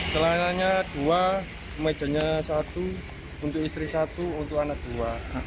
celananya dua mejanya satu untuk istri satu untuk anak dua